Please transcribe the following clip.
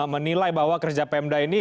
menilai bahwa kerja pemda ini